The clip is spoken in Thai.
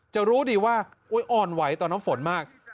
จะรู้ดีว่าอ่อนไหวตอนน้ำฝนมาก